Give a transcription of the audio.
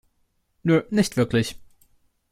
Nö, nicht wirklich.